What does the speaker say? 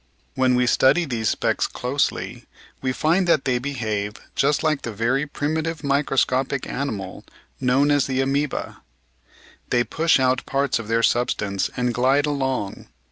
When we study these specks closely, we find that they behave just like the very primitive microscopic animal known as the Amoeba. They push out parts of their sub stance, and glide along.